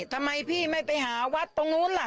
ทำไมพี่ไม่ไปหาวัดตรงนู้นล่ะ